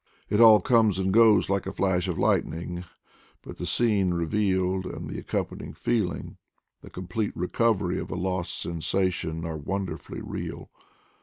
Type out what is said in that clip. It all comes and goes like a flash of lightning, but the scene revealed, and the accompanying feeling, the complete recovery of a lost sensation, are wonderfully real.